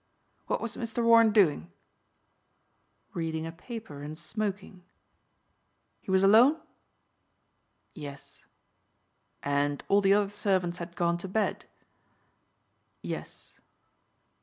"What was Mr. Warren doing?" "Reading a paper and smoking." "He was alone?" "Yes." "And all the other servants had gone to bed?" "Yes."